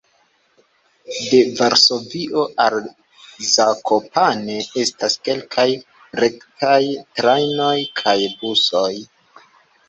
De Varsovio al Zakopane estas kelkaj rektaj trajnoj kaj busoj.